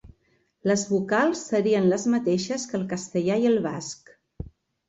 Les vocals serien les mateixes que el castellà i el basc.